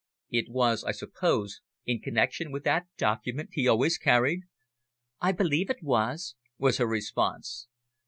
"It was, I suppose, in connexion with that document he always carried?" "I believe it was," was her response.